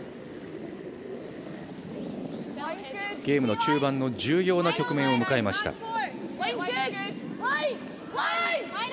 ゲームの中盤重要な局面を迎えました。